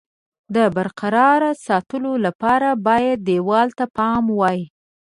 د برقرار ساتلو لپاره باید دېوال ته پام وای.